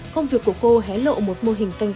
công việc của cô hé lộ một mô hình canh tắc nông minh